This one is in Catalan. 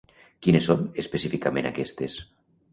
Quines són específicament aquestes?